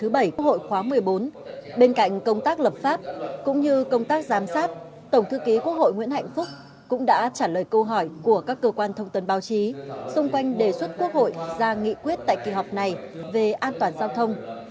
bên cạnh công tác lập pháp cũng như công tác giám sát tổng thư ký quốc hội nguyễn hạnh phúc cũng đã trả lời câu hỏi của các cơ quan thông tấn báo chí xung quanh đề xuất quốc hội ra nghị quyết tại kỳ họp này về an toàn giao thông